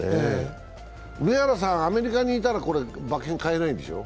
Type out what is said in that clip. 上原さん、アメリカにいたら馬券買えないんでしょ？